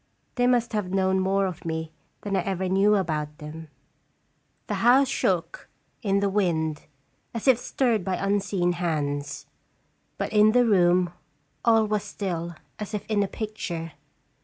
They must have known more of me than I ever knew about them. The house shook in the wind, as if stirred by unseen hands, but in the room all was still as if in a picture.